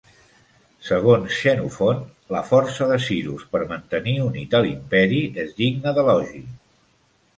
Segons Xenofont, la força de Cyrus per mantenir unit a l'imperi és digna d'elogi.